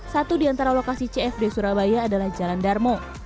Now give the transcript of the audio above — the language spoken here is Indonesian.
satu di antara lokasi cfd surabaya adalah jalan darmo